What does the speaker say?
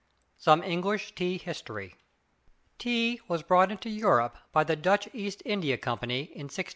SOME ENGLISH TEA HISTORY Tea was brought into Europe by the DUTCH EAST INDIA COMPANY, in 1610.